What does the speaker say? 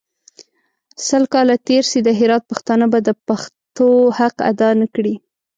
سل کاله تېر سي د هرات پښتانه به د پښتو حق اداء نکړي.